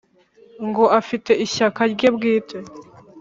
ngo afite ishyaka rye bwite